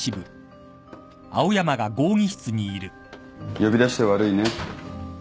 呼び出して悪いね。